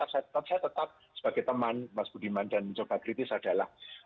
saya tetap saya tetap sebagai teman mas budiman dan mencoba kritis adalah